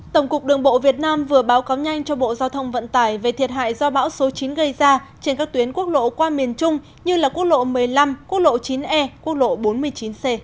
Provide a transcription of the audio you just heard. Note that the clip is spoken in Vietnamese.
tổng cục đường bộ việt nam vừa báo cáo nhanh cho bộ giao thông vận tải về thiệt hại do bão số chín gây ra trên các tuyến quốc lộ qua miền trung như là quốc lộ một mươi năm quốc lộ chín e quốc lộ bốn mươi chín c